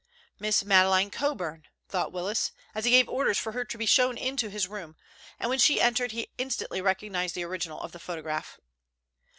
"Miss Madeleine Coburn," thought Willis, as he gave orders for her to be shown to his room, and when she entered he instantly recognized the original of the photograph.